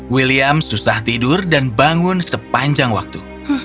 william susah tidur dan bangun sepanjang waktu